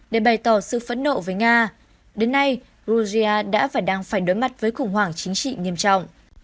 để bày tỏ sự phẫn nộ với nga đến nay georgia đã và đang phải đối mặt với khủng hoảng chính trị nghiêm trọng